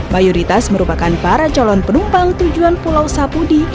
mayoritas merupakan para calon penumpang tujuan pulau sapudi